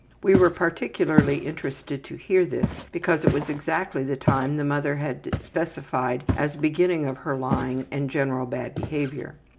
We were particularly interested to hear this because it was exactly the time the mother had specified as the beginning of her lying and general bad behavior.